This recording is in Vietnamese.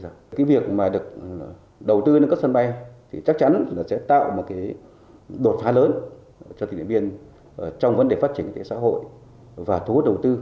và cái việc mà được đầu tư nâng cấp sân bay thì chắc chắn là sẽ tạo một cái đột phá lớn cho tỉnh điện biên trong vấn đề phát triển kinh tế xã hội và thu hút đầu tư